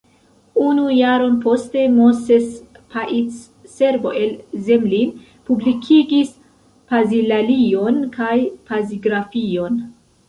Unu jaron poste Moses Paic, Serbo el Zemlin, publikigis pazilalion kaj pazigrafion.